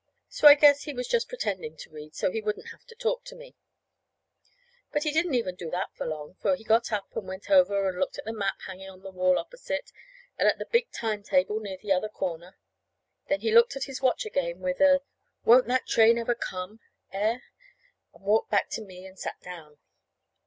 So I guess he was just pretending to read, so he wouldn't have to talk to me. But he didn't even do that long, for he got up and went over and looked at a map hanging on the wall opposite, and at a big time table near the other corner. Then he looked at his watch again with a won't that train ever come? air, and walked back to me and sat down.